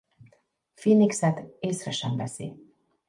Phoenixet észre sem veszi.